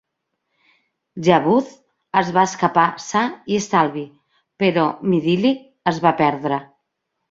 "Yavuz" es va escapar sa i estalvi, però "Midilli" es va perdre.